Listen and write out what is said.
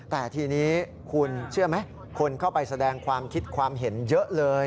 แต่ทีนี้คุณเชื่อไหมคนเข้าไปแสดงความคิดความเห็นเยอะเลย